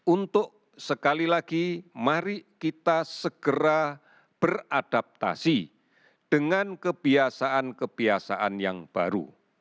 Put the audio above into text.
untuk sekali lagi mari kita segera beradaptasi dengan kebiasaan kebiasaan yang baru